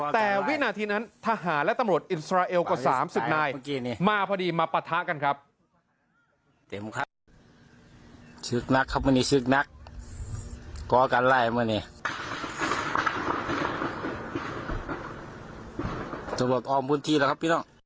แต่วินาทีนั้นทหารและตำรวจอิสราเอลกว่า๓๐นายมาพอดีมาปะทะกันครับ